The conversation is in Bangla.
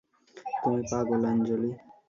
তুমি পাগল আঞ্জলি।